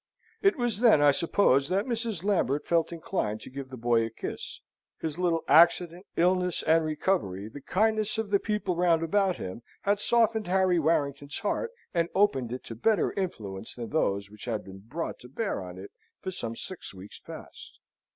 It was then, I suppose, that Mrs. Lambert felt inclined to give the boy a kiss. His little accident, illness and recovery, the kindness of the people round about him, had softened Harry Warrington's heart, and opened it to better influences than those which had been brought to bear on it for some six weeks past.